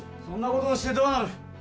そんな事をしてどうなる？